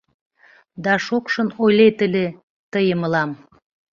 Да шокшын ойлет ыле тые мылам: